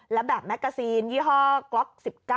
และแบบแมกกาซีนยี่ห้อกล็อก๑๙